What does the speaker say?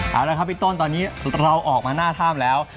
เอาละครับพี่ต้นตอนนี้เราออกมาหน้าถ้ำแล้ว